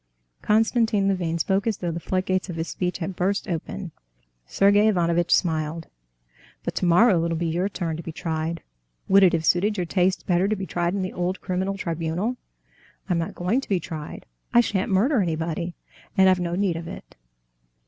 Konstantin Levin spoke as though the floodgates of his speech had burst open. Sergey Ivanovitch smiled. "But tomorrow it'll be your turn to be tried; would it have suited your tastes better to be tried in the old criminal tribunal?" "I'm not going to be tried. I shan't murder anybody, and I've no need of it.